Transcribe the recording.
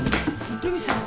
留美さん。